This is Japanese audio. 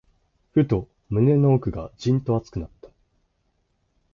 ふと、胸の奥がじんと熱くなった。